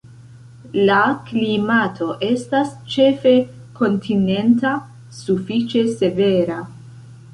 La klimato estas ĉefe kontinenta, sufiĉe severa.